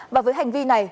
và với hành vi này